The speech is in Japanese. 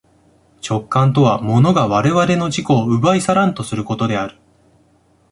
直観とは物が我々の自己を奪い去らんとすることである。